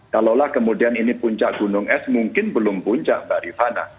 kalaulah kemudian ini puncak gunung es mungkin belum puncak mbak rifana